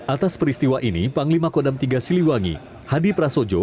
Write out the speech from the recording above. atas peristiwa ini panglima kodam tiga siliwangi hadi prasojo